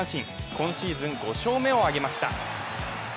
今シーズン５勝目を挙げました。